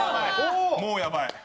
もうやばい。